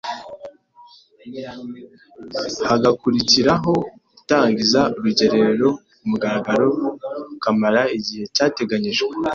Hagakurikira ho gutangiza urugerero kumugaragaro rukamara igihe cyateganyijwe.